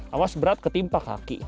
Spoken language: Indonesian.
awas berat ketimpa kaki